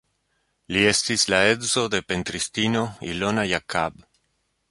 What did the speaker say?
Li estis la edzo de pentristino Ilona Jakab.